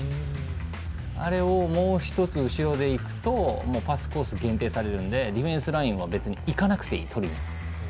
あれをもう１つ後ろでいくとパスコース限定されるのでディフェンスライン別にいかなくていい、とりに。